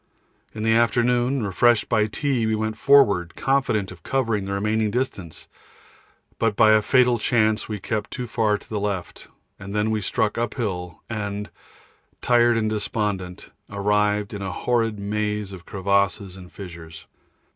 In the afternoon, refreshed by tea, we went forward, confident of covering the remaining distance, but by a fatal chance we kept too far to the left, and then we struck uphill and, tired and despondent, arrived in a horrid maze of crevasses and fissures.